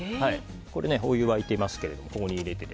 お湯が沸いていますのでここに入れて。